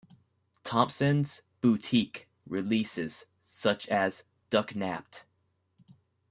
Thompson's boutique releases, such as Ducknapped!